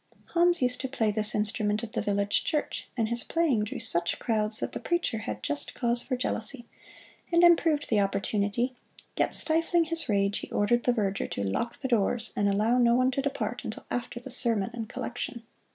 Hans used to play this instrument at the village church, and his playing drew such crowds that the preacher had just cause for jealousy, and improved the opportunity, yet stifling his rage he ordered the verger to lock the doors and allow no one to depart until after the sermon and collection.